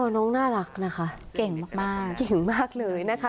น้องน่ารักนะคะเก่งมากเก่งมากเลยนะคะ